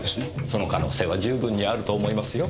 その可能性は十分にあると思いますよ。